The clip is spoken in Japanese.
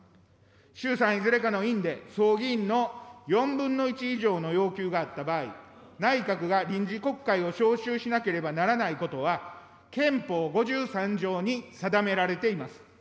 衆参いずれかの院で、総議員の４分の１以上の要求があった場合、内閣が臨時国会を召集しなければならないことは、憲法５３条に定められています。